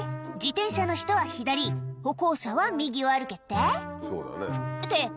自転車の人は左歩行者は右を歩けって？